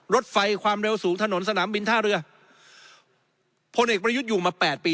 รถไฟความเร็วสูงถนนสนามบินท่าเรือพลเอกประยุทธ์อยู่มาแปดปี